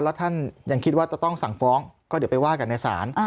แล้วท่านยังคิดว่าจะต้องสั่งฟ้องก็เดี๋ยวไปว่ากันในศาล